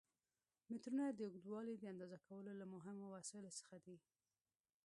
مترونه د اوږدوالي د اندازه کولو له مهمو وسایلو څخه دي.